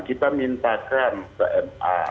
kita mintakan ke ma